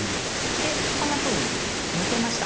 でこんなふうに抜けました。